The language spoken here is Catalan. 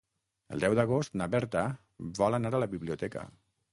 El deu d'agost na Berta vol anar a la biblioteca.